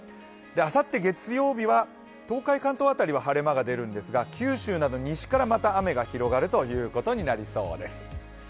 あさって月曜日は東海・関東辺りは晴れ間が出るんですが九州など西からまた雨が広がるということになりそうです。